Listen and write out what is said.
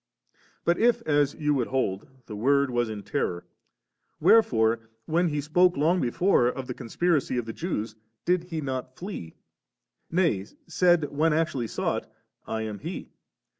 But if, as you would hold, the Word was in terror, wherefore, when He spoke long before of the conspiracy of the Jews, did He not flee, nay said when actually sought, ' I am He